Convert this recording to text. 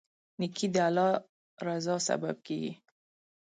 نیکي د الله رضا سبب کیږي.